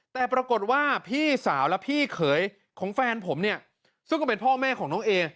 แต่ปรากฏว่าพี่สาวและพี่เขยของแฟนผมเนี่ยซึ่งก็เป็นพ่อแม่ของน้องเอ